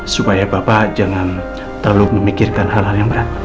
supaya bapak jangan terlalu memikirkan hal hal yang berat